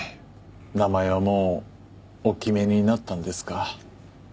名前はもうお決めになったんですか？